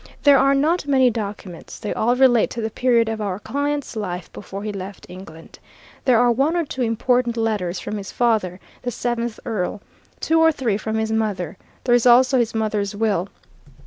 There are not many documents they all relate to the period of our client's life before he left England. There are one or two important letters from his father, the seventh Earl, two or three from his mother; there is also his mother's will.